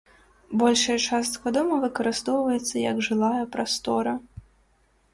Большая частка дома выкарыстоўваецца як жылая прастора.